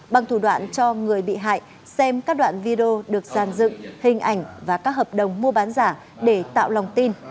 bằng thủ đoạn cho người bị hại xem các đoạn video được giàn dựng hình ảnh và các hợp đồng mua bán giả để tạo lòng tin